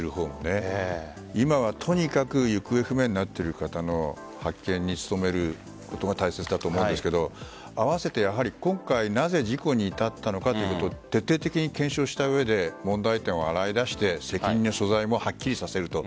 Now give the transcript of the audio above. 今はとにかく行方不明になっている方の発見に努めることが大切だと思うんですけど併せて今回なぜ事故に至ったのかということを徹底的に検証した上で問題点を洗い出して責任の所在もはっきりさせると。